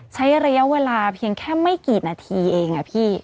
ใช้ระยะเวลาเพียงแค่ไม่กี่นาทีเองอะพี่